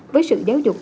với sự giáo dục